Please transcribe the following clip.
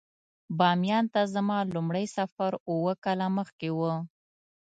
باميان ته زما لومړی سفر اووه کاله مخکې و.